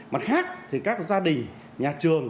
mặt khác thì các gia đình nhà trường